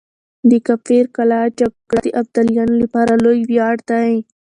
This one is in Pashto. د کافر قلعه جګړه د ابدالیانو لپاره يو لوی وياړ دی.